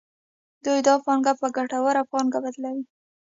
دوی دا پانګه په ګټوره پانګه بدلوي